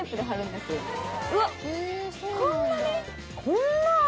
こんなに。